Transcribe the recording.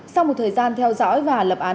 sau một thời gian theo dõi và lập án